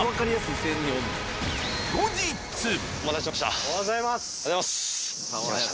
おはようございます！